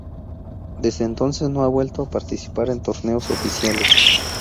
Desde entonces no ha vuelto a participar en torneos oficiales.